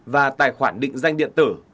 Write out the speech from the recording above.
và tài khoản định danh điện tử